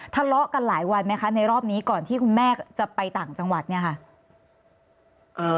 ทะเลาะกันหลายวันไหมคะในรอบนี้ก่อนที่คุณแม่จะไปต่างจังหวัดเนี่ยค่ะ